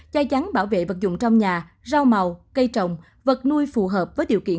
chai chắn bảo vệ vật dụng trong nhà rau màu cây trồng vật nuôi phù hợp với điều kiện